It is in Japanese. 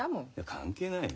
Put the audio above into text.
関係ないよ。